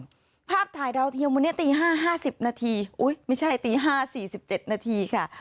ก่อนภาพถ่ายดาวเทียมวันนี้ตีห้าห้าสิบนาทีอุ้ยไม่ใช่ตีห้าสี่สิบเจ็ดนาทีค่ะ